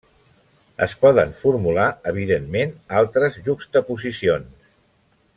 Es poden formular, evidentment, altres juxtaposicions.